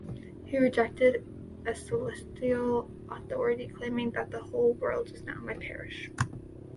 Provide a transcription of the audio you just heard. He rejected ecclesiastical authority claiming that 'the whole world is now my parish'.